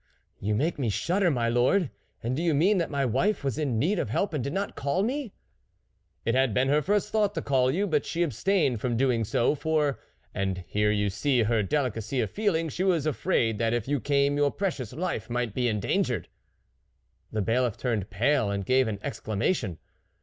" You make me shudder, my lord ! And do you mean that my wife was in need of help and did not call me ?"" It had been her first thought to call you, but she abstained from doing so, for, and here you see her delicacy of feeling, she was afraid that if you came, your precious life might be endangered." The Bailiff turned pale and gave an exclamation.